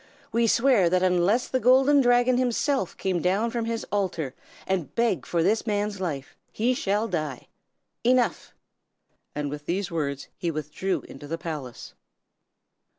We swear that unless the Golden Dragon himself come down from his altar and beg for this man's life, he shall die! Enough!' And with these words he withdrew into the palace.